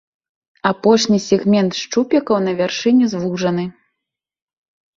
Апошні сегмент шчупікаў на вяршыні звужаны.